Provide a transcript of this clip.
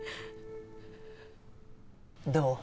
どう？